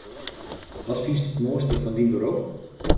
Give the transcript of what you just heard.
Wat fynst it moaiste fan dyn berop?